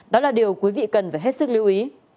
đó là điều quý vị cần phải hết sức lưu ý